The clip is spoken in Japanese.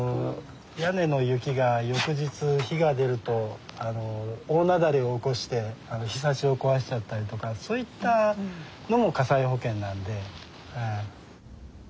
屋根の雪が翌日日が出ると大雪崩を起こしてひさしを壊しちゃったりとかそういったのも火災保険なんで。